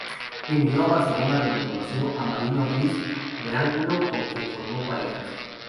Emigró a Barcelona donde conoció a Marino Ruiz de Angulo con quien formó pareja.